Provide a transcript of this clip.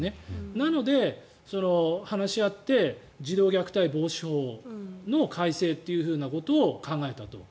なので、話し合って児童虐待防止法の改正ということを考えたと。